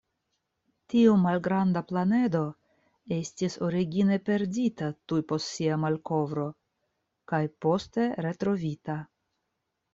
Tiu malgranda planedo estis origine perdita tuj post sia malkovro kaj poste retrovita.